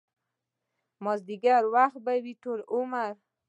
مازديګر وخت به وي ټول عمر